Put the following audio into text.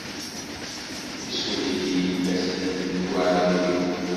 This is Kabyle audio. Issuli-yi-d taslent deg waɛrur-iw.